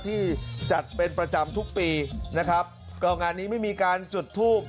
ที่จัดเป็นประจำทุกปีนะครับก็งานนี้ไม่มีการจุดทูบ